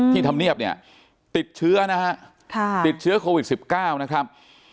ธรรมเนียบเนี่ยติดเชื้อนะฮะติดเชื้อโควิด๑๙นะครับ